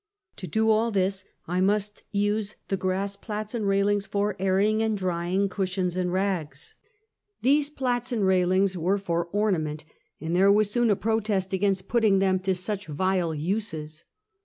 To do all this, I must use the grass plats and railings for airing and drying cushions and rags. These plats and railings were for ornament, and there was soon a protest against putting them to " such vile uses."